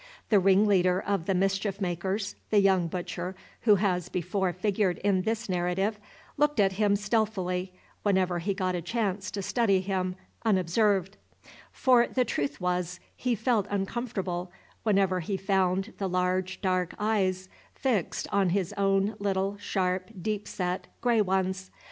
The ringleader of the mischief makers, the young butcher who has before figured in this narrative, looked at him stealthily, whenever he got a chance to study him unobserved; for the truth was, he felt uncomfortable, whenever he found the large, dark eyes fixed on his own little, sharp, deep set, gray ones.